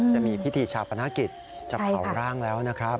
จะมีประวัติภิษฐ์ชาวประนักติดจับเขาร่างแล้วนะครับ